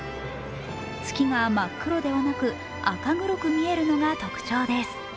月が真っ黒ではなく赤黒く見えるのが特徴です。